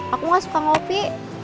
aku tidak suka kopi